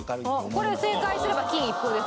これ正解すれば金一封ですからね。